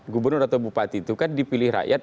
gubernur atau bupati itu kan dipilih rakyat